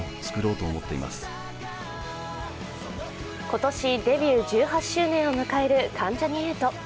今年デビュー１８周年を迎える関ジャニ∞。